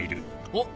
おっ！